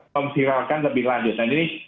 memviralkan lebih lanjut nah jadi